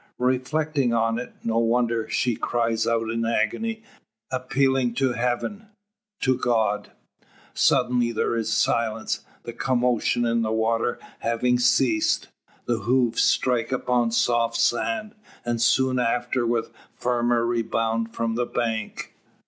Reflecting on it, no wonder she cries out in agony, appealing to heaven to God! Suddenly there is silence, the commotion in the water having ceased. The hoofs strike upon soft sand, and soon after with firmer rebound from the bank.